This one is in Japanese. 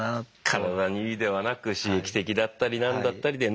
体にいいではなく刺激的だったりなんだったりで脳は喜ぶ。